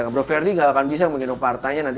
bro ferdie gak akan bisa menggendong partainya